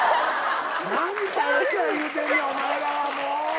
何キャーキャー言うてんねんお前らはもう。